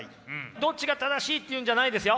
どっちが正しいっていうんじゃないですよ。